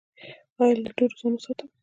ایا له دوړو ځان وساتم؟